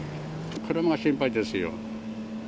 車が心配ですよ。